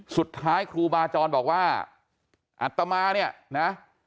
สุดท้ายครูบาจรบอกว่าอัตมาเนี่ยนะ